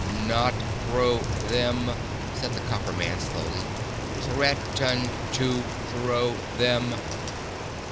"Not throw them," said the Copper Man slowly, "threat en to throw them."